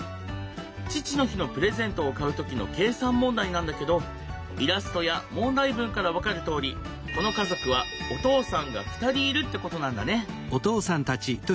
父の日のプレゼントを買う時の計算問題なんだけどイラストや問題文から分かるとおりこの家族はお父さんが２人いるってことなんだね。